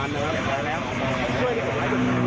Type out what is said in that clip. อันนี้หมอป้ามีอาการนะครับ